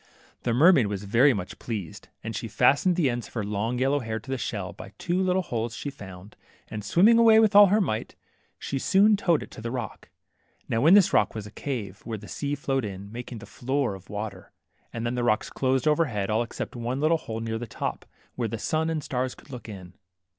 The mermaid was very much pleased, and she fast ened the ends of her long yellow hair to the shell by two little holes she found, and swimming away with all her might, she soon towed it to the rock. Now in this rock was a cave, where the sea flowed in, making a floor of water, and then the rocks closed overhead, all except one little hole near the top, where the sun and the stars could look in.